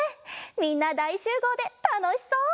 みんなだいしゅうごうでたのしそう！